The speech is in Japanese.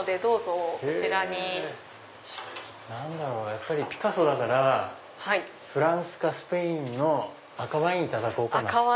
やっぱりピカソだからフランスかスペインの赤ワインいただこうかな。